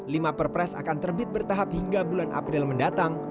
lima perpres akan terbit bertahap hingga bulan april mendatang